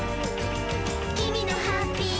「きみのハッピー」